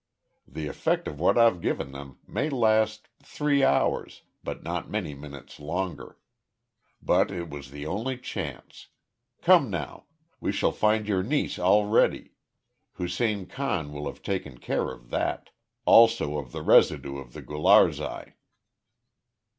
The effect of what I've given them may last three hours, but not many minutes longer. But it was the only chance. Come now. We shall find your niece all ready Hussein Khan will have taken care of that also of the residue of the Gularzai."